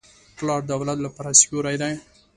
پلار د اولاد لپاره سیوری دی.